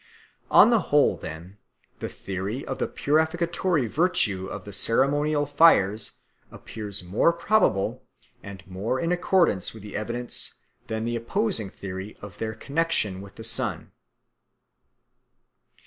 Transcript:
On the whole, then, the theory of the purificatory virtue of the ceremonial fires appears more probable and more in accordance with the evidence than the opposing theory of their connexion with the sun.